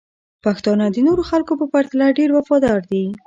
پښتانه د نورو خلکو په پرتله ډیر وفادار دي.